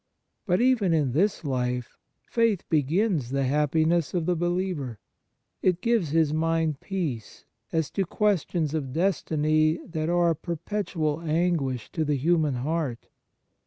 But even in this life faith begins the happiness of the believer. It gives his mind peace as to questions of destiny that are a perpetual anguish to the human heart.